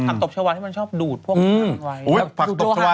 หักตบชาวะมันชอบดูดพวกนั้นเอาไว้